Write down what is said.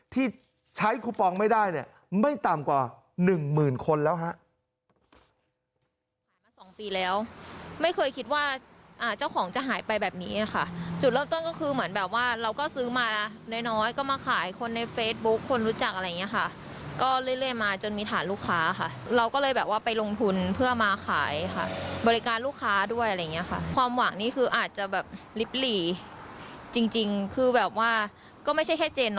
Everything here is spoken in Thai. ที่ใช้คูปองไม่ได้เนี่ยไม่ต่ำกว่า๑หมื่นคนแล้วฮะ